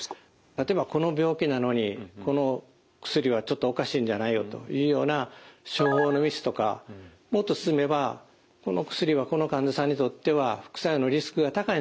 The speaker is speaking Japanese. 例えばこの病気なのにこの薬はちょっとおかしいんじゃないのというような処方のミスとかもっと進めばこの薬はこの患者さんにとっては副作用のリスクが高いんじゃないかと。